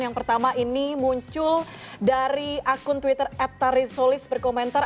yang pertama ini muncul dari akun twitter epta risolis berkomentar